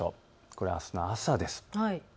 これ、あすの朝です。